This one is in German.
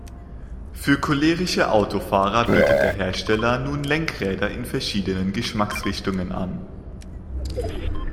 Für cholerische Autofahrer bietet der Hersteller nun Lenkräder in verschiedenen Geschmacksrichtungen an.